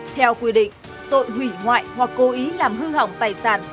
theo quy định tội hủy hoại hoặc cố ý làm hư hỏng tài sản